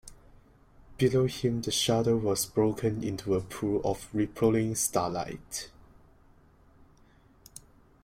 Below him the shadow was broken into a pool of rippling starlight.